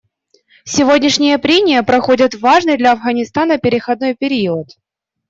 Сегодняшние прения проходят в важный для Афганистана переходный период.